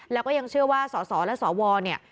แล้วก็ยังเชื่อว่าสสและสวเนี่ย